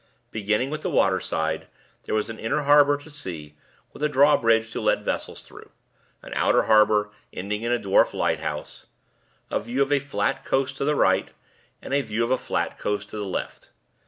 Beginning with the waterside, there was an inner harbor to see, with a drawbridge to let vessels through; an outer harbor, ending in a dwarf lighthouse; a view of a flat coast to the right, and a view of a flat coast to the left.